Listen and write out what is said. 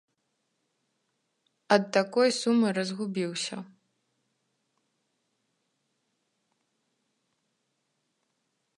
Ад такой сумы разгубіўся.